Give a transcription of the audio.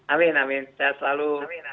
amin amin sehat selalu